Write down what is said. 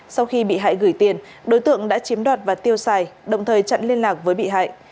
sau khi bị hại gửi tiền đối tượng đã chiếm đoạt và tiêu xài đồng thời chặn liên lạc với bị hại